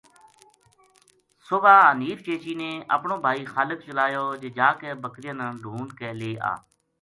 صبح حنیف چیچی نے اپنو بھائی خالق چلایو جے جا کے بکریاں نا ڈُھونڈ کے لے آ